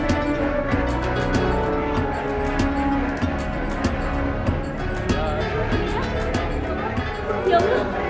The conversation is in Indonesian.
ya tersesat tersesat